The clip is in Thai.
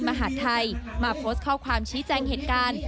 มหาดไทยมาโพสต์ข้อความชี้แจงเหตุการณ์